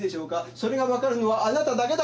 それが分かるのはあなただけだった。